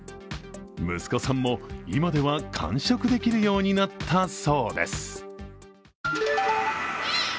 息子さんも今では完食できるようになったそうです。